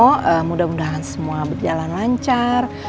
semoga semuanya berjalan lancar